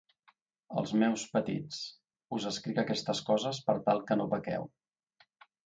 Els meus petits, us escric aquestes coses per tal que no pequeu.